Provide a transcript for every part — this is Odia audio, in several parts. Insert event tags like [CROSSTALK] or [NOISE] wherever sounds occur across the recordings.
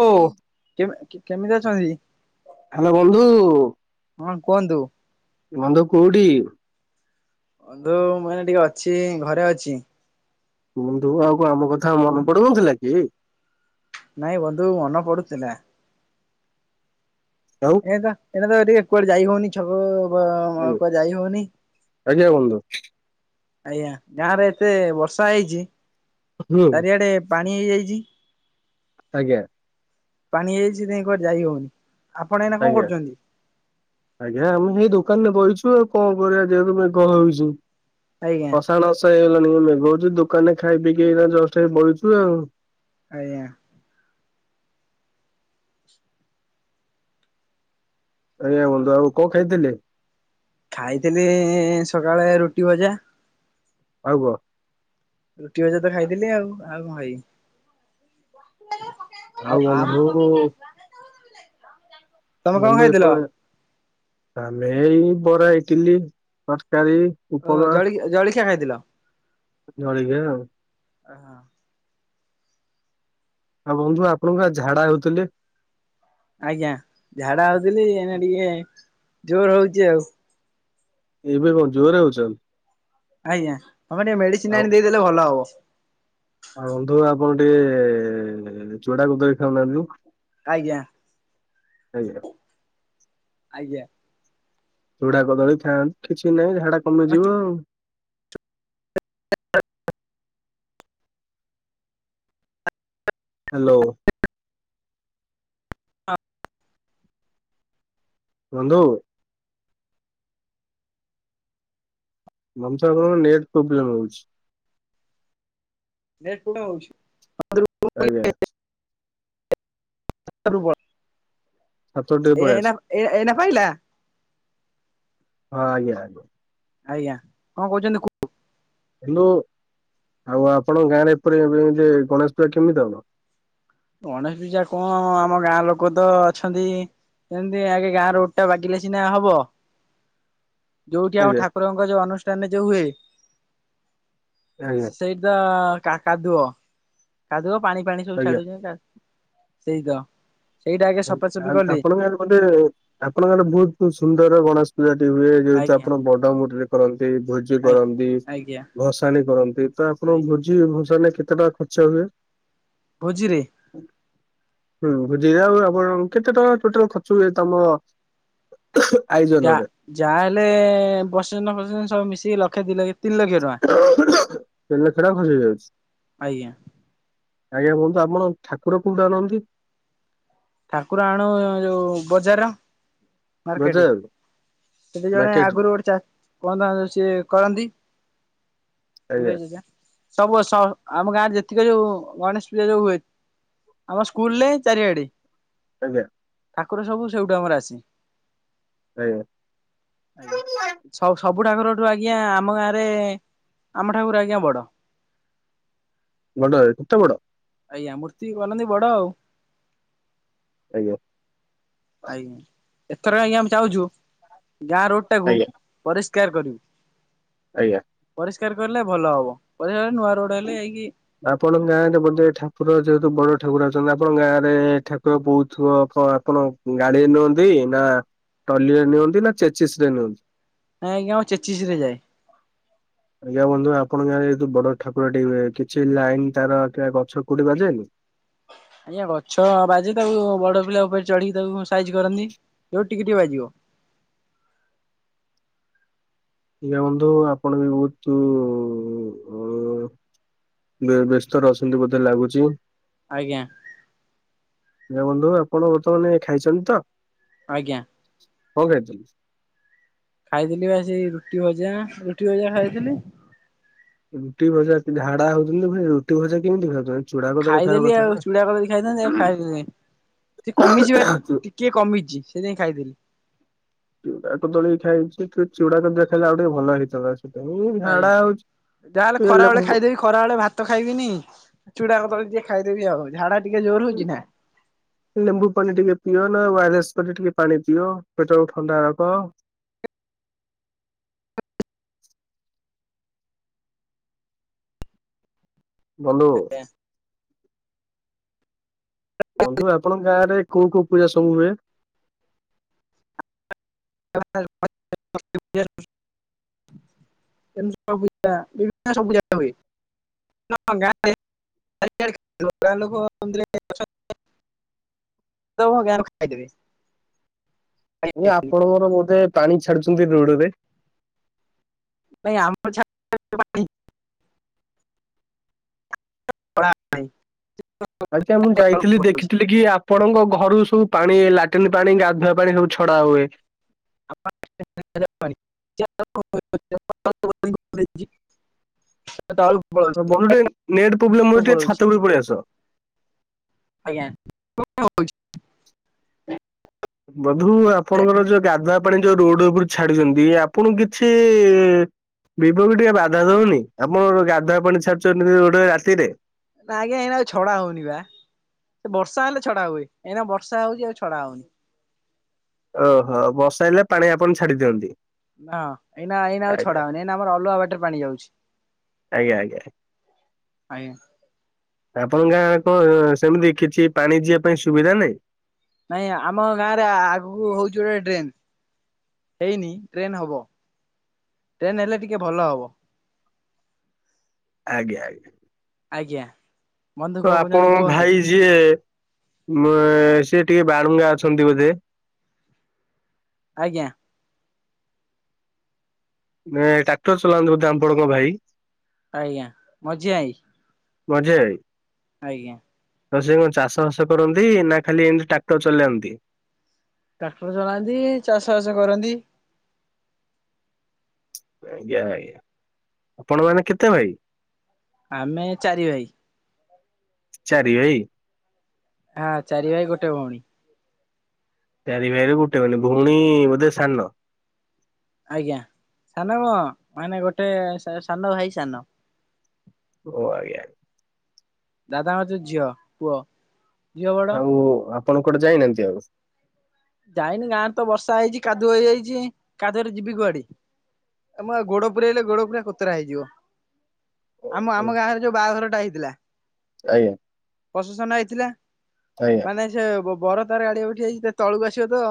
ଓ ହ୍ୟାଲୋ କେ କେମିତି ଅଛନ୍ତି? ହାଲୋ ବନ୍ଧୁ। ହଁ କୁହନ୍ତୁ? ବନ୍ଧୁ କୋଉଠି? ବନ୍ଧୁ ମୁଁ ଏଇନା ଟିକେ ଅଛି ଘରେ ଅଛି। ବନ୍ଧୁ ଆଉ କଣ ଆମ କଥା ମନେ ପଡୁନଥିଲା କି? ନାଇଁ ବନ୍ଧୁ ମନ ପଡୁଥିଲା। ଯାଉ। ଏଇ ତ ଏଇନା ତ ଟିକେ କୁଆଡ଼େ ଯାଇ ହଉନି ଛକ କ କୁଆଡ଼େ ଯାଇହୋଉନି। ଆଜ୍ଞା ବନ୍ଧୁ ଆଜ୍ଞା ଗାଁରେ ଏତେ ବର୍ଷା ହେଇଚି ହୁଁ ଚାରିଆଡେ ପାଣି ହେଇଯାଇଚି। ଆଜ୍ଞା। ପାଣି ହୋଇଯାଇଚି ସେଇତିନାଗି କୁଆଡ଼େ ଯାଇ ଆଜ୍ଞା ହଉନି। ଆଜ୍ଞା ଆମେ ସେଇ ଦୋକାନ ରେ ବଇଚୁ ଆଉ କଣ କରିବା ଯେହେତୁ ମେଘ ହଉଚି। ଆଜ୍ଞା। ପସାଣସ ହେଇଗଲାଣି ମେଘ ହୋଉଚି ଦୋକାନରେ ଖାଇ ପିଇକି ଜଷ୍ଟ ହେଇ ବଇଚୁ ଆଉ। ଆଜ୍ଞା। ଆଜ୍ଞା ବନ୍ଦ ବାବୁ କଣ ଖାଇଥିଲେ? ଖାଇଥିଲି ସକାଳେ ରୁଟି ଭଜା। ଆଉ କଣ? ରୁଟି ଭଜା ତ ଖାଇଥିଲି ଆଉ ଆଉ କଣ ଖାଇବି। ଆଉ ବନ୍ଧୁ ତମେ କଣ ବନ୍ଧୁ ଏପ ଖାଇଥିଲ? ଆମେ ଏଇ ବରା ଇଟିଲି ତରକାରୀ ଓ ଉପମା ଜଳି ଜଳଖିଆ ଖାଇଥିଲ। ଜଳିଖିଆ ଆଉ। ଅହଁ। ଆଉ ବନ୍ଧୁ ଆପଣ ପା ଝାଡ଼ା ହଉଥିଲେ? ଆଜ୍ଞା, ଝାଡ଼ା ହଉଥିଲି ଏଇନା ଟିକେ ଜୋର ହଉଚି ଆଉ। ଏବେ କଣ ଜୋରରେ ହଉଛନ୍? ଆଜ୍ଞା, ଆପଣ ଟିକେ ମେଡିସିନ ଆଉ ଆଣି ଦେଇଦେଲେ ଭଲ ହବ। ଆଉ ବନ୍ଧୁ ଆପଣ ଟିକେ ଚୁଡା କଦଳୀ ଖାଉନାହାନ୍ତି। ଆଜ୍ଞା, ଆଜ୍ଞା, ଆଜ୍ଞା ଚୁଡା କଦଳୀ ଖାଆନ୍ତୁ, କିଛି ନାହିଁ ଝାଡା କମିଯିବ ଆଉ। ହାଲୋ ବନ୍ଧୁ, ବନ୍ଧୁ, ଆପଣଙ୍କର ନେଟ୍ ପ୍ରୋବ୍ଲେମ ରହୁଛି। ନେଟ ପ୍ରୋବ୍ଲେମ ହଉଛି। ଆଜ୍ଞା, [UNINTELLIGIBLE] ଏ ଛାତକୁ ଟିକେ ଏଇନା ପଳେଇ ଆସ ପାଇଲା? ହଁ ଆଜ୍ଞା, ଆଜ୍ଞା, କଣ କହୁଛନ୍ତି କୁ? ହେଲୋ, ଆଉ ଆପଣଙ୍କ ଗାଁରେ ଏପରି ଏବେ ଗଣେଶ ପୂଜା କେମିତି ହବ? ଗଣେଶ ପୂଜା କଣ ଆମ ଗାଁ ଲୋକ ତ ଅଛନ୍ତି। ସେମିତି ଆଗେ ଗାଁ ରୋଡ ଟା ବାଗିଲେ ସିନା ହବ। [INAUDIBLE] ଯୋଉଠି ଆମ ଆଜ୍ଞା ଠାକୁରଙ୍କ ଯୋଉ ଅନୁଷ୍ଠାନରେ ଯୋଉ ହୁଏ। ଆଜ୍ଞା ସେଇଡା କା କାଦୁଅ। କାଦୁଅ ପାଣି ଫାଣି ସବୁ ଆଜ୍ଞା। ଛାଡୁଛନ୍ତି, ସେଇ ତ। ଆଜ୍ଞା, ଆପଣମାନେ ବୋଧେ ଆପଣମାନେ ବହୁତ ସୁନ୍ଦର ଗଣେଶ, ପୂଜାଟି ହୁଏ, ଯେହେତୁ ଆଜ୍ଞା। ଆପଣ ବଡ ମୂର୍ତ୍ତିଟେ କରନ୍ତି, ଭୋଜି ଆଜ୍ଞା କରନ୍ତି। ଆଜ୍ଞା ଭସାଣି କରନ୍ତି ତ, ଆପଣ ଆଜ୍ଞା ଭୋଜି ଭସାଣିରେ କେତେ ଟଙ୍କା ଖର୍ଚ୍ଚ ହୁଏ? ଭୋଜିରେ? ହୁଁ, ଭୋଜିିରେ ଆମର କେତେ ଟଙ୍କା ଟୋଟାଲ ଖର୍ଚ୍ଚ ହୁଏ ତମର ଯା ଯାହା ହେଲେ, ପ୍ରୋସେସନ ଫୋସେଶନ ସବୁ ମିଶେଇକି ଲକ୍ଷେ ଦି ଲକ୍ଷେ ତିନି ଲକ୍ଷ ଟଙ୍କା ଖର୍ଚ୍ଚ ଆଜ୍ଞା ହେଇଯାଉଛି। ଆଜ୍ଞା, କୁହନ୍ତୁ ଆପଣ ଠାକୁର କଉଠୁ ଆଣନ୍ତି? ଠାକୁର ଆଣୁ ଯୋଉ ବଜାର? ମାର୍କେଟ, ବଜାରରୁ ସେଠି ଜଣେ ମାର୍କେଟରୁ ଆଗରୁ [UNINTELLIGIBLE] କଣ ସେ କରନ୍ତି ଆଜ୍ଞା ମୂର୍ତ୍ତି ଦେଖିଆ। ସବୁ ବର୍ଷ ଆମ ଗାଁରେ ଯେତିକି ଯୋଉ ଗଣେଶ ପୂଜା ଯୋଉ ହୁଏ। ଆମ ସ୍କୁଲରେ ଚାରିଆଡେ, ଆଜ୍ଞା, ଠାକୁର ସବୁ ସେଇଠୁ ଆମର ଆସେ। ଆଜ୍ଞା, ଆଜ୍ଞା, ସ ସବୁ ଠାକୁରଠୁ ଆଜ୍ଞା ଆମ ଗାଁରେ ଆମ ଠାକୁର ଆଜ୍ଞା ବଡ। ବଡ, ଏତେ କେତ ବଡ଼? ଆଜ୍ଞା, ମୂର୍ତ୍ତି ବନାନ୍ତି ବଡ ଆଉ। ଆଜ୍ଞା। ଆଜ୍ଞା ଏଥର ଆଜ୍ଞା ଆମେ ଚାହୁଚୁ ଗାଁ ରୋଡ଼ ଟାକୁ ଆଜ୍ଞା ପରିଷ୍କାର କରିବୁ। ଆଜ୍ଞା। ପରିଷ୍କାର କରଲେ ଭଲ ହବ ପରିଷ୍କାର କଲେ ନୂଆ ରୋଡ଼ ହେଲେ ଯାଇକି ଆପଣଙ୍କ ଗାଁରେ ବୋଧେ ଠାକୁର ଯେହେତୁ ବଡ଼ ଠାକୁର ଅଛନ୍ତି ଆପଣଙ୍କ ଗାଁରେ ଠାକୁର ବୋହୁଥୁବ ଅପଣ ଆପଣ ଗାଡ଼ିରେ ନିଅନ୍ତି ନା ଟଲି ରେ ନିଅନ୍ତି ନା ଚେଚିସ ରେ ନିଅନ୍ତି? ନାଇଁ ଆଜ୍ଞା ଆମର ଚେଚିସିରେ ଯାଏ। ଆଜ୍ଞା ବନ୍ଧୁ ଆପଣ ଗାଁ ରେ ଯୋଉ ବଡ ଠାକୁର ଡ଼ିମ୍ରେ କିଛି ଲାଇନ ତାର କିମ୍ବା ଗଛ କୋଉଠି ବାଜେନି? ଆଜ୍ଞା ଗଛ ବାଜେ ତାକୁ ବଡ ପିଲା ଉପରେ ଚଢ଼ିକି ତାକୁ ଫୁଣ ସାଇଜ କରନ୍ତି ଯୋଉ ଟିକି ଟିକେ ବାଜିବ। ଆଜ୍ଞା ବନ୍ଧୁ ଆପଣ ବି ବହୁତୁ ଉ ଉ ଉ ଉ ବେ ବ୍ୟସ୍ତ ରେ ଅଛନ୍ତି ବୋଧେ ଲାଗୁଚି? ଆଜ୍ଞା। ଆଜ୍ଞା ବନ୍ଧୁ ଆପଣ ବର୍ତ୍ତମାନେ ଖାଇଚନ୍ତି ତ। ଆଜ୍ଞା। କଣ ଖାଇଚନ୍ତି? ଖାଇଥିଲି ବା ସେଇ ରୁଟି ଭଜା ରୁଟି ଭଜା ଖାଇଥିଲି। ରୁଟି ଭଜା ଝାଡା ହଉଚନ୍ତି ଫୁଣି ରୁଟି ଭଜା କେମିତି ଖାଉଚନ୍ତ? ଖାଇଦେଲି ଆଉ ଚୁଡ଼ା କଦଳୀ ଖାଇଥାଆନ୍ତି ଆଉ ଖାଇଲିନେଇଁ ସେ କମିଚି ବା ଚୁ- ଟି କିଏ କମିଚି ସେଇଥିପାଇଁ ଖାଇଦେଲି। ଚୁଡ଼ା କଦଳୀ ଖାଇଚି ଟିକେ ଚୁଡାକଦୁଆ ଖାଇଲେ ଆଉ ଟିକେ ଭଲ ହେଇଥାଆନ୍ତା। ସେତବଳକୁ ଝାଡା ହଉଚି ଖରା ବେଳେ ଭାତ ଖାଇବିନି ଚୁଡା କଦଳୀ ଟିକେ ଖାଇଦେବି ଆଉ ଝାଡ଼ା ଟିକେ ଜୋର ହଉଚି ନା। ଲେମ୍ବୁ ପାଣି ଟିକେ ପିଅ ନା ଓଆରଏସ କରି ଟିକେ ପାଣି ପିଅ ପେଟକୁ ଥଣ୍ଡା ରଖ। ଭଲ ହୁଅ। ବନ୍ଧୁ ଆପଣଙ୍କ ଗାଁ ରେ କୋଉ କୋଉ ପୂଜା ସବୁ ହୁଏ? [INAUDIBLE] ପୂଜା ବିଭିନ୍ନ ସବୁ ପୂଜା ହୁଏ। [INAUDIBLE] ତୋ ଭଗବାନ ଖୁଆଇଦେବେ। ଆଜ୍ଞା ଆପଣଙ୍କର ବୋଧେ ପାଣି ଛାଡୁଚନ୍ତି ରୋଡ଼ ରେ? ନାଇଁ ଆମର ଛା ପାଣି। ପ୍ଲା ଆଜି ଆଉ ମୁଁ ଯାଇଥିଲି ଦେଖ ପଳଉଛି ଦେଖିଥିଲି କି ଆପଣଙ୍କ ଘରୁ ସବୁ ପାଣି ଲାଟିନ୍ ପାଣି ଗାଧୁଆ ପାଣି ସବୁ ଛଡ଼ା ହୁଏ। [INAUDIBLE] ତଳକୁ ପଳଉଚି ତଳକୁ ପଳଉଚି ଭିତରକୁ ପଳେଇଆସ। ଆଜ୍ଞା। ବନ୍ଧୁ ଆପଣଙ୍କର ଯୋଉ ଗାଧୁଆ ପାଣି ଯୋଉ ରୋଡ଼ ଉପରେ ଛାଡିୁଚନ୍ତି ଆପଣଙ୍କୁ କିଛି ଇ ଇ ଇ ବିବକୁ ଟିକେ ବାଧା ଦଉନି ଆପଣଙ୍କର ଗାଧୁଆ ପାଣି ଛାଡୁଚନ୍ତି ରୋଡ଼ରେ ରାତିରେ? ନା ଆଜ୍ଞା ଏଇନା ଆଉ ଛଡ଼ା ହଉନି ବା ସେ ବର୍ଷା ହେଲେ ଛଡ଼ା ହୁଏ ଏଇନା ବର୍ଷା ହଉଚି ଆଉ ଛଡ଼ା ହଉନି। ଓହୋ ବର୍ଷା ହେଲେ ପାଣି ଆପଣ ଛାଡ଼ି ଦିଅନ୍ତି? ନାଁ ଏଇନା ଏଇନା ଆଉ ଆଜ୍ଞା ଛଡା ହବନି ଏଇନା ଆମର ଅଲଗା ବାଟରେ ପାଣି ଯାଉଛି। ଆଜ୍ଞା ଆଜ୍ଞା। ଆଜ୍ଞା। ଆପଣଙ୍କ ଗାଁରେ କଣ ସେମିତି କିଛି ପାଣି ଯିବା ପାଇଁ ସୁବିଧା ନାହିଁ? ନାଇଁ ଆମ ଗାଁରେ ଆଗକୁ ହଉଚି ଗୋଟେ ଡ୍ରେନ୍। ହେଇନି ଡ୍ରେନ୍ ହବ ଡ୍ରେନ ହେଲେ ଟିକେ ଭଲ ହବ। ଆଜ୍ଞା ଆଜ୍ଞା। ଆଜ୍ଞା ତ ବନ୍ଧୁ କଁ କହୁଚନ୍ତି ଆପଣଙ୍କ କୁହନ୍ତୁ? ଭାଇ ଯିଏ ଵ ସିଏ ଟିକେ ବାଳୁଙ୍ଗା ଅଛନ୍ତି ବୋଧେ ଆଜ୍ଞା। ଟ୍ରାକ୍ଟର୍ ଚଲାନ୍ତି ବୋଧେ ଆପଣଙ୍କ ଭାଇ। ଆଜ୍ଞା ମଝିଆ ଭାଇ। ମଝିଆ ଭାଇ। ଆଜ୍ଞା। ଆଉ ସେକଁ ଚାଷ ବାସ କରନ୍ତି ନାଖାଲି ଏମିତି ଟ୍ରାକ୍ଟର୍ ଚଲାନ୍ତି? ଟ୍ରାକ୍ଟର୍ ଚଲାନ୍ତି, ଚାଷ ବାସ କରନ୍ତି। ଆଜ୍ଞା ଆଜ୍ଞା ଆପଣ ମାନେ କେତେ ଭାଇ? ଆମେ ଚାରି ଭାଇ। ଚାରି ଭାଇ? ହାଁ ଚାରି ଭାଇ ଗୋଟେ ଭଉଣୀ। ଚାରି ଭାଇରେ ଗୋଟେ ମାନେ ଭଉଣୀ ବୋଧେ ସାନ? ଆଜ୍ଞା ସାନ କଣ, ମାନେ ଗୋଟେ ସା ସାନ ଭାଇ ସାନ। ଓ ଆଜ୍ଞା। ଦାଦାଙ୍କର ଦିଇ ଯୋଉ ଝିଅ, ପୁଅ ଝିଅ ବଡ ଆଉ ଆପଣ କୁଆଡ଼େ ଯାଇନାହାନ୍ତି ଆଉ? ଯାଇନି ଗାଁରେତ ବର୍ଷା ହେଇଚି କାଦୁଅ ହେଇଯାଇଚି କାଦୁଅରେ ଯିବି କୁଆଡ଼େ। ଏ ମୁଁପା ଗୋଡ଼ ପୁରେଇଲେ ଗୋଡ଼ ପୁରା କୋତରା ହେଇଯିବ। ଆମ ଆମ ଗାଁରେ ଯୋଉ ବାହାଘରଟା ହେଇଥିଲା ଆଜ୍ଞା। ପ୍ରଶେସନ୍ ହେଇଥିଲା ଆଜ୍ଞା ମାନେ ସେ ବ ବର ତାର ଗାଡ଼ି ଉପରେ ଠିଆ ହେଇଚି ତଳୁକୁ ଆସିବତ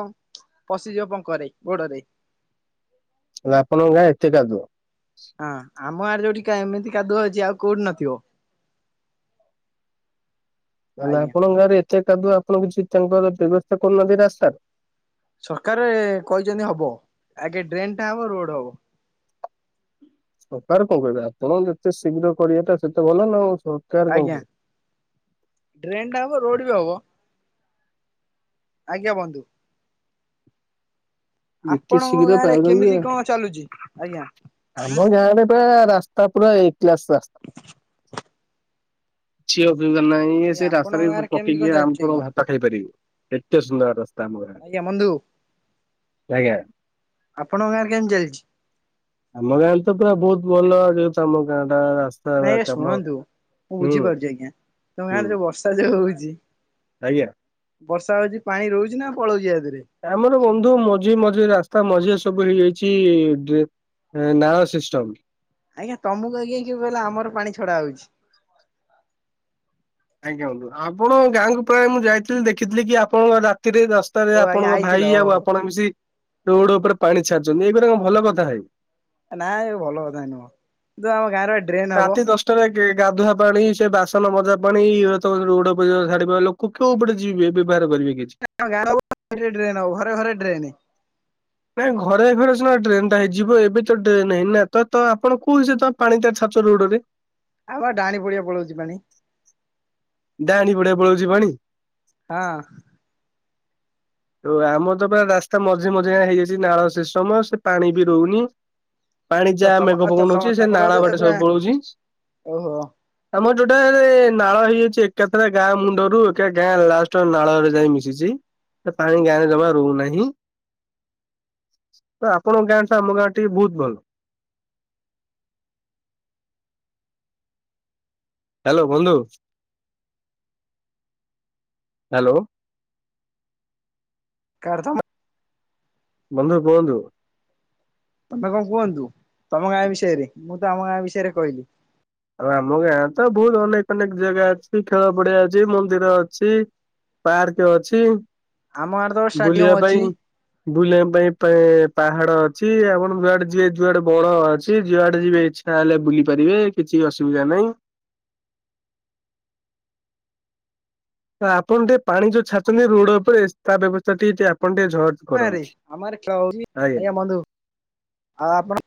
ପଶିଯିବ ପଙ୍କରେ ଗୋଡ଼ରେ। ତାହେଲେ ଆପଣଙ୍କ ଗାଁ ଏତେ କାଦୁଅ? ହଁ ଆମ ଆଡ଼େ ଯୋଉଠିକା ଏମିତି କାଦୁଅ ଅଛି ଆଉ କୋଉଠି ନଥିବ। ଲାହେଲେ ଆଜ୍ଞା ଆପଣଙ୍କ ଗାଁରେ ଏତେ କାଦୁଅ ଆପଣ କିଛି ତାଙ୍କର ବ୍ୟବସ୍ଥା କରୁନାହାନ୍ତି ରାସ୍ତାରେ? ସରକାରେ କହିଚନ୍ତି ହବ, ଆଗେ ଡ୍ରେନ୍ ଟା ହବ ରୋଡ଼ ହବ। ସରକାର କଣ କହିବେ ଆପଣ ଯେତେ ଶୀଘ୍ର କରିବାଟା ସେତେ ଭଲନା ଆଉ ସ ଆଜ୍ଞା, ଡ୍ରେନ୍ଟା ହବ ରୋଡ଼ବି ହବ। ଆଜ୍ଞା ବନ୍ଧୁ। ଯେତେ ଆପଣଙ୍କ ଶୀଘ୍ର ଗାଁ ରେ ପାଉଚନ୍ତି କେମିତି ଆ କଣ ଚାଲୁଛି ଆଜ୍ଞା। ଆମ ଗାଁରେ ପୁରା ରାସ୍ ସ୍ତା ପୁରା ଏ କ୍ଲାସ ରାସ୍ତା [UNINTELLIGIBLE] ଇଏ ଆଜ୍ଞା ସେ ଆପଣଙ୍କ ରାସ୍ତାରେ ଗାଁରେ କେମିତି ପକେଇକି ଆମ ଚାଲିଛି କଣ ଆଜ୍ଞା ଭାତ ଖାଇ ପାରିବ ଏତେ ସୁନ୍ଦର ରାସ୍ତା। ଆମ ଗାଁରେ ଆଜ୍ଞା ବନ୍ଧୁ ଆଜ୍ଞା। ଆପଣଙ୍କ ଗାଁରେ କେମିତି ଚାଲିଚି? ଆମ ଗାଁରେତ ପୁରା ବହୁତ୍ ଭଲ ଯେହେତୁ ଆମ ଗାଁ ଟା ନାଇଁ ଆଜ୍ଞା କାମ ଶୁଣନ୍ତୁ ମୁଁ ହୁଁ ବୁଝିପାରୁଚି ଆଜ୍ଞା ତମ ହୁଁ ଗାଁରେ ଯୋଉ ବର୍ଷା ଯୋଉ ହଉଚି ଆଜ୍ଞା। ବର୍ଷା ହଉଚି ପାଣି ରହୁଚିନା ପଳଉଚି ଆଦିରେ? ଆମର ବନ୍ଧୁ ମଝି ମଝିରେ ରାସ୍ତା ମଝିରେ ସବୁ ହେଇଯାଇଛି ଡ୍ରେ ଏଁ ନାଳ ସିଷ୍ଟମ୍। ଆଜ୍ଞା ତମୁକୁ ଆଜ୍ଞା କିଏ କହିଲା ଆମର ପାଣି ଛଡା ହଉଚି? ଆଜ୍ଞା ବନ୍ଧୁ ଆପଣଙ୍କ ଗାଁକୁ ପ୍ରାୟ ମୁଁ ଯାଇଥିଲି ଦେଖିଥିଲି କି ଆପଣଙ୍କ ରାତିରେ ଦଶ ଟାରେ ଓ ଆଜ୍ଞା ଆପଣଙ୍କ ଆଇଥିଲ ଭାଇ ଆଉ ଓହୋ ଆପଣ ମିଶି ରୋଡ ଉପରେ ପାଣି ଛାଡିଚନ୍ତି ଏଇଗୁରା କଣ ଭଲ କଥା। ନା ଏ ଭଲ କଥା ନୁହଁ ଯୋଉ ଆମ ଗାଁରେ ବା ଡ୍ରେନ ହବ। ତ ରେ କିଏ ଗାଧୁଆ ପାଣି ସେ ବାସନ ମଜା ପାଣି ଏଗୁରା ତମର ରୋଡ ଉପରେ ଯଦି ଛାଡିବ ଲୋ କେ କୋଉ ପଟେ ଯିବେ ବ୍ୟବହାର କରିବେ କିଛି? ଆମ ଗାଁ ରେ [INAUDIBLE] ଡ୍ରେନ ହବ ଘରେ ଘରେ ଡ୍ରେନ। ନାଇଁ ଘରେ ଘରେ ସିନା ଡ୍ରେନ ଟା ହେଇଯିବ ଏବେ ତ ଡ୍ରେନ ହେଇନି ନା ତ ତ ଆପଣ କୋଉ ହିସାବରେ ତ ପାଣି ଟା ଛାଡୁଚ ରୋଡ ରେ? ଆଉ ବା ଡାଆଣୀ ପଡିଆ ପଳଉଚି ପାଣି। ଡାଆଣୀ ପଡିଆ ପଳଉଚି ପାଣି? ହଁ। ଓ ଆମର ତ ପୁରା ରାସ୍ତା ମଝି ମଝି ଯାଏଁ ହେଇଯାଇଚି ନାଳ ସମସ୍ତ ସେ ପାଣି ବି ରହୁନି। ପାଣି ତ ଯାହା ତମ ମେଘ ପବନ ହଉଚି ସେ ତମର ନାଳା ତ ବାଟେ ପୁରା ସବୁ ପଳଉଚି। ଓହୋ ଆମର ଯୋଉଟାରେ ନାଳ ହେଇଯାଉଚି ଏକାଥେରେ ଗାଁ ମୁଣ୍ଡରୁ ଏକା ଗାଁ ଲାଷ୍ଟ ନାଳରେ ଯାଇ ମିଶିଚି। ସେ ପାଣି ଗାଁରେ ଜମା ରହୁନାହିଁ। ତ ଆପଣଙ୍କ ଗାଁ ଟା ଆମ ଗାଁ ଟେ ବହୁତ ଭଲ। ହ୍ୟାଲୋ ବନ୍ଧୁ ହ୍ୟାଲୋ। [UNINTELLIGIBLE] ବନ୍ଧୁ କୁହନ୍ତୁ। ତମେ କଣ କୁହନ୍ତୁ ତମ ଗାଁ ବିଷୟରେ ମୁଁ ତ ଆମ ଗାଁ ବିଷୟରେ କହିଲି। ଆଉ ଆମ ଗାଁ ତ ବହୁତ ଅନେକ ଅନେକ ଜାଗା ଅଛି ଖେଳ ପଡିଆ ଅଛି ମନ୍ଦିର ଅଛି। ପାର୍କ ଅଛି ଆମ ଗାଁରେ ତ ଷ୍ଟାଡିୟମ ବୁଲିବା ଅଛି ପାଇଁ। ବୁଲିବା ପାଇଁ ପେଁ ପାହାଡ ଅଛି ଆପଣ ଯୁଆଡେ ଯିବେ ଯୁଆଡେ ବଣ ଅଛି ଯୁଆଡେ ଯିବେ ଇଛା ଚା ହେଲେ ବୁଲି ପାରିବେ କିଛି ଅସୁବିଧା ନାହିଁ। ଆପଣ ଟିକେ ପାଣି ଯୋଉ ଛାଡୁଚନ୍ତି ରୋଡ ଉପରେ ତା ବ୍ୟବସ୍ଥା ଟିକେ ଟ ଆପଣ ଟିକେ ଝ ଗାଁ ରେ ଆମ ଗାଁ ରେ ଖେଳ ହଉନି ଆଜ୍ଞା ବନ୍ଧୁ ଆ ଆପଣ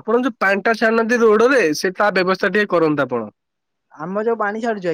ଆପଣ ଯୋଉ ପାଣିଟା ଛାଡନାହାନ୍ତି ରୋଡ ରେ ସେ ତା ବ୍ୟବସ୍ଥା ଟିକେ କରନ୍ତୁ ଆପଣ। ଆମ ଯୋଉ ପାଣି ଛାଡୁଚେ